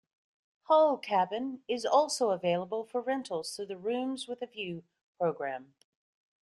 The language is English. Hull Cabin is also available for rentals through the "Rooms with a View" program.